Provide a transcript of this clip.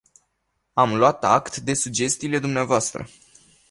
Am luat act de sugestiile dumneavoastră.